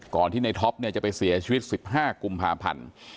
ที่ในท็อปจะไปเสียชีวิต๑๕กุมภาพันธ์